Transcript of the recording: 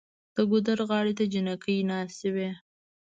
د ګودر غاړې ته جینکۍ ناستې وې